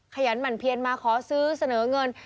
ขยันหมั่นเพียนมาขอซื้อเสนอเงิน